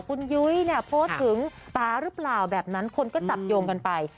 คุณยุ้ยเนี่ยโพสต์ถึงป๊าหรือเปล่าแบบนั้นคนก็จับโยงกันไป